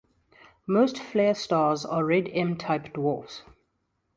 Most flare stars are red M-type dwarfs.